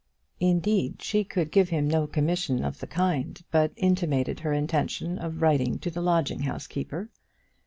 Indeed, she could give him no commission of the kind, but intimated her intention of writing to the lodging house keeper.